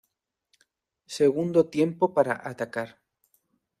Segundo tiempo para atacar.